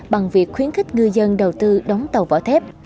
bằng việc khuyến khích ngư dân đầu tư đóng tàu vỏ thép